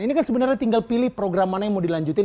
ini kan sebenarnya tinggal pilih program mana yang mau dilanjutin